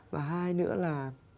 và hai nữa là